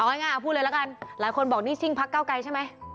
เอาง่ายเอาพูดเลยละกันหลายคนบอกนี่ซิ่งพักเก้าไกรใช่ไหม